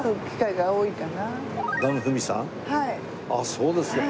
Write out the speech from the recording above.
そうですか。